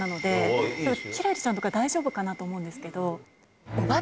輝星ちゃんとか大丈夫かなと思うんですけど。